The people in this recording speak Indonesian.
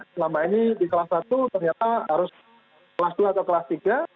selama ini di kelas satu ternyata harus kelas dua atau kelas tiga